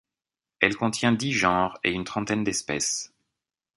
Elle contient dix genres et une trentaine d'espèces.